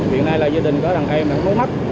hiện nay là gia đình có đàn em đang nấu mắt